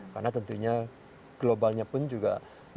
karena tentunya globalnya pun juga